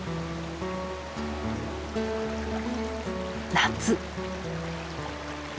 夏。